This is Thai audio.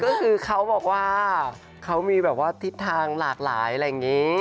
ก็คือเขาบอกว่าเขามีแบบว่าทิศทางหลากหลายอะไรอย่างนี้